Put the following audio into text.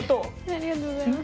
ありがとうございます。